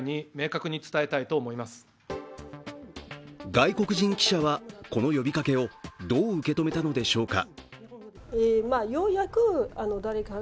外国人記者は、この呼びかけをどう受け止めたのでしょうか。